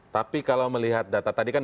tapi kalau melihat data tadi kan